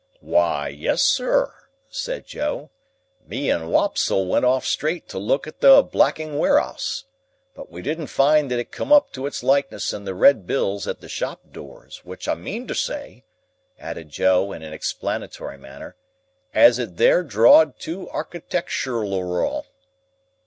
"Why, yes, Sir," said Joe, "me and Wopsle went off straight to look at the Blacking Ware'us. But we didn't find that it come up to its likeness in the red bills at the shop doors; which I meantersay," added Joe, in an explanatory manner, "as it is there drawd too architectooralooral."